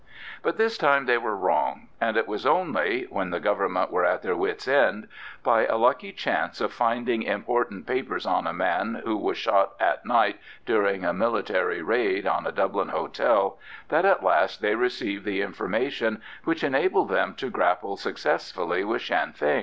But this time they were wrong, and it was only—when the Government were at their wits' end—by a lucky chance of finding important papers on a man, who was shot at night during a military raid on a Dublin hotel, that at last they received the information which enabled them to grapple successfully with Sinn Fein.